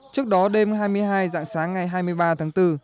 trước đó đêm hai mươi hai dạng sáng ngày hai mươi ba tháng bốn